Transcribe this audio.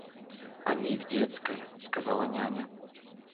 — Они и в детской, — сказала няня.